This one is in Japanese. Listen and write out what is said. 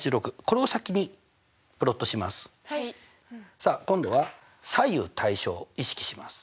さあ今度は左右対称を意識します。